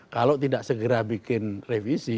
kalau tidak segera bikin revisi